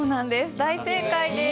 大正解です。